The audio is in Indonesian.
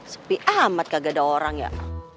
sepi amat kagak ada orang ya